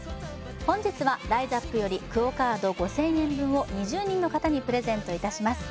本日はＲＩＺＡＰよりＱＵＯカード５０００円分を２０人の方にプレゼントいたします